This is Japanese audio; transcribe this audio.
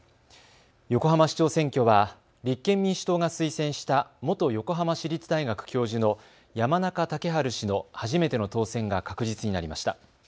横浜市長選挙は立憲民主党が推薦した元横浜市立大学教授の山中竹春氏の初めての当選が確実になりました。